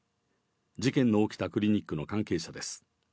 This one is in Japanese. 事件の起きたクリニックの関係者です。